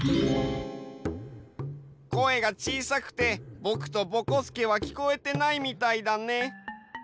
声がちいさくてぼくとぼこすけはきこえてないみたいだね。